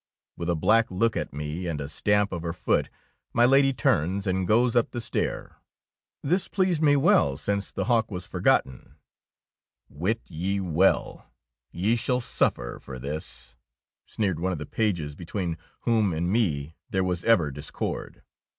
With a black look at me and a stamp of her foot, my Lady turns and goes up the stair. This pleased me well, since the hawk was forgotten. "Wit ye well, ye shall suffer for 6 THE KOBE OE THE DUCHESS this," sneered one of the pages, be tween whom and me there was ever discord.